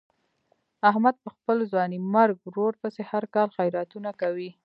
احمد په خپل ځوانیمرګ ورور پسې هر کال خیراتونه کوي.